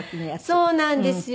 そうなんですよ。